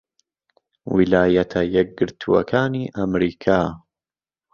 ویلایەتە یەکگرتووەکانی ئەمریکا